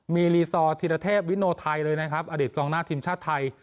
มีรีซอร์ธิรเทพวิโนไทยเลยนะครับอดีตกองหน้าทีมชาติไทย